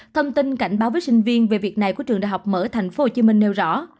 thông tin cảnh báo với sinh viên về việc này của trường đại học mở thành phố hồ chí minh nêu rõ